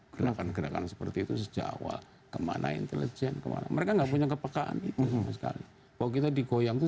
gerakan gerakan seperti itu sejak awal kemana intelijen kemana mereka nggak punya kepekaan